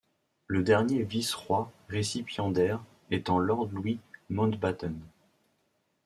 Le dernier vice-roi récipiendaire étant Lord Louis Mountbatten.